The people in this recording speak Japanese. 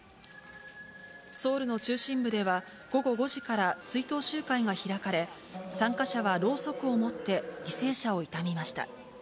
ソウルの中心部では、午後５時から追悼集会が開かれ、参加者はろうそくを持って、犠牲者を悼みました。